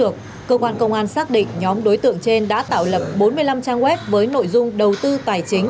cơ quan công an xác định nhóm đối tượng trên đã tạo lập bốn mươi năm trang web với nội dung đầu tư tài chính